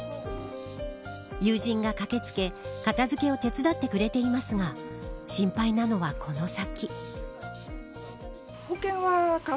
友人が駆け付け片付けを手伝ってくれていますが心配なのはこの先。